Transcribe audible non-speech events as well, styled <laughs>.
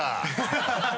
ハハハ <laughs>